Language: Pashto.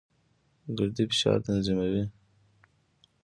ګردې فشار تنظیموي.